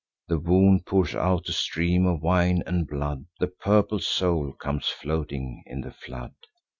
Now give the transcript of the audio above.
The wound pours out a stream of wine and blood; The purple soul comes floating in the flood.